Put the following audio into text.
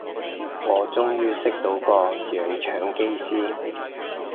我終於識到個洋腸機師